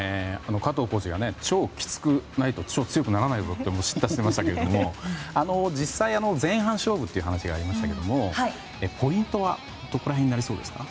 加藤コーチが超きつくないと超強くならないぞと叱咤していましたけど実際、前半勝負という話がありましたがポイントはどこら辺になりそうですか？